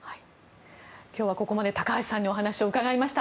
今日はここまで高橋さんにお話を伺いました。